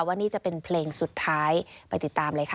ว่านี่จะเป็นเพลงสุดท้ายไปติดตามเลยค่ะ